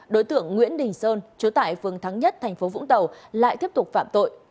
đối tượng nguyễn đình sơn chủ tại phương thắng nhất tp vũng tàu lại tiếp tục phạm tội